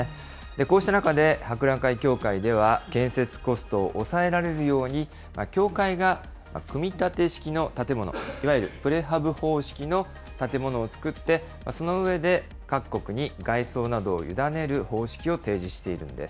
こうした中で、博覧会協会では、建設コストを抑えられるように、協会が組み立て式の建物、いわゆるプレハブ方式の建物を作って、その上で各国に外装などを委ねる方式を提示しているんです。